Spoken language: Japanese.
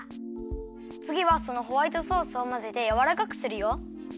つぎはそのホワイトソースをまぜてやわらかくするよ。